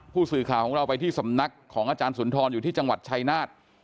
ผู้สื่อข่าวของเราไปที่สำนักของอาจารย์สุนทรอยู่ที่จังหวัดชายนาฏ